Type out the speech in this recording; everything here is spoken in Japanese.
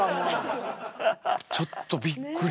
ちょっとびっくり。